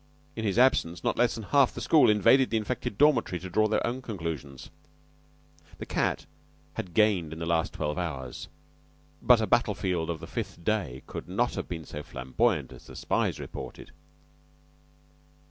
In his absence not less than half the school invaded the infected dormitory to draw their own conclusions. The cat had gained in the last twelve hours, but a battlefield of the fifth day could not have been so flamboyant as the spies reported.